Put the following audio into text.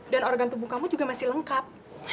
dan organ tubuh kamu juga masih lengkap